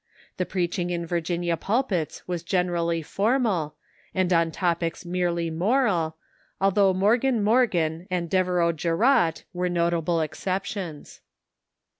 The preaching in Virginia pulpits was generally formal, and on topics merely moral, although Morgan Morgan and Deve reux Jarratt were notable exceptions.